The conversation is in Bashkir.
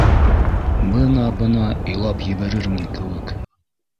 — Бына-бына илап ебәрермен кеүек